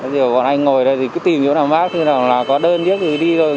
còn anh ngồi đây thì cứ tìm chỗ nào mát chỗ nào có đơn đi thì đi thôi